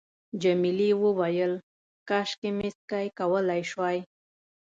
جميلې وويل:، کاشکې مې سکی کولای شوای.